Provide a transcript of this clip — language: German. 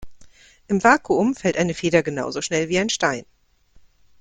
Im Vakuum fällt eine Feder genauso schnell wie ein Stein.